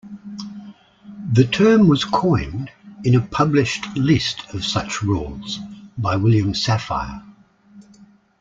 The term was coined in a published list of such rules by William Safire.